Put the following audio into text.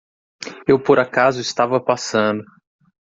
Eu por acaso estava passando.